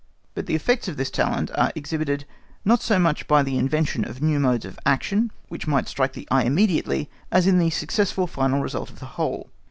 But the effects of this talent are exhibited not so much by the invention of new modes of action, which might strike the eye immediately, as in the successful final result of the whole.